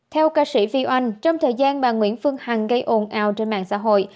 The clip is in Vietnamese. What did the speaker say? theo ca sĩ vi oanh trong thời gian bà nguyễn phương hằng gây ồn ào trên mạng xã hội